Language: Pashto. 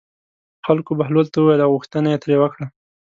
خلکو بهلول ته وویل او غوښتنه یې ترې وکړه.